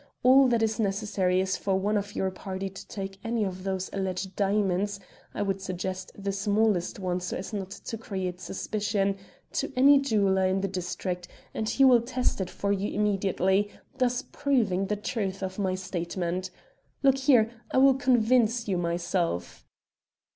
All that is necessary is for one of your party to take any of these alleged diamonds I would suggest the smallest one so as not to create suspicion to any jeweller in the district, and he will test it for you immediately, thus proving the truth of my statement. Look here; I will convince you myself."